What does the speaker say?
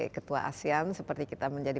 ketua asean seperti kita menjadi